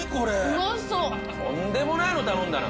うまそうとんでもないの頼んだな！